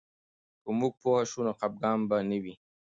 که موږ پوه سو، نو خفګان به نه وي.